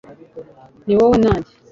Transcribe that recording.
ni wowe na njye